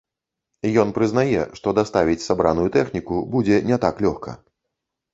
Ён прызнае, што даставіць сабраную тэхніку будзе не так лёгка.